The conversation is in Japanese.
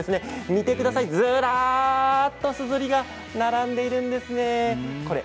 見てくださいずらっとすずりが並んでいます。